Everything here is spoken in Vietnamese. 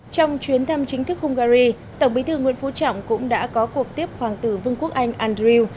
trong chuyến thăm chính thức hungary tổng bí thư nguyễn phú trọng cũng đã có cuộc tiếp hoàng tử vương quốc anh andrew